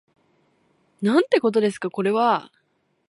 なんてことですかこれは